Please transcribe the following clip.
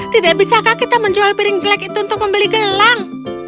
tidak bisakah kita menjual piring jelek itu untuk membeli gelang